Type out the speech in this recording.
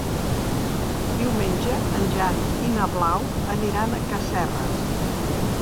Diumenge en Jan i na Blau aniran a Casserres.